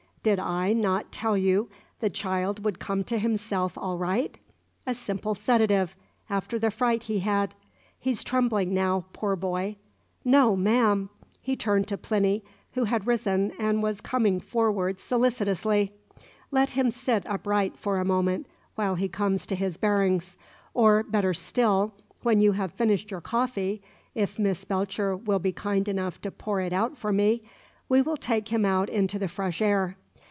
"Did I not tell you the child would come to himself all right? A simple sedative after the fright he had. He's trembling now, poor boy. No, ma'am" he turned to Plinny, who had risen, and was coming forward solicitously; "let him sit upright for a moment, while he comes to his bearings. Or, better still, when you have finished your coffee if Miss Belcher will be kind enough to pour it out for me we will take him out into the fresh air.